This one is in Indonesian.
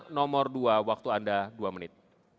nomor dua waktu anda dua menit